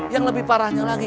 yang lebih parahnya lagi